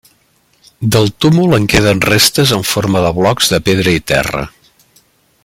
Del túmul en queden restes en forma de blocs de pedra i terra.